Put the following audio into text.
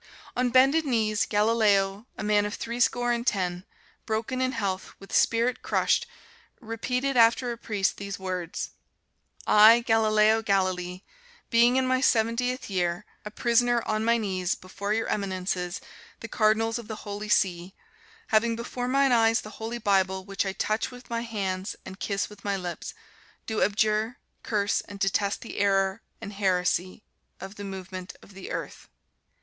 On bended knees, Galileo, a man of threescore and ten, broken in health, with spirit crushed, repeated after a priest these words: "I, Galileo Galilei, being in my seventieth year, a prisoner, on my knees before your Eminences, the Cardinals of the Holy See, having before mine eyes the Holy Bible, which I touch with my hands and kiss with my lips, do abjure, curse and detest the error and heresy of the movement of the earth."